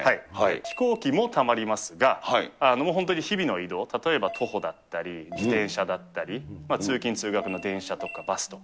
飛行機もたまりますが、本当に日々の移動、例えば徒歩だったり、自転車だったり、通勤・通学の電車とか、バスとか。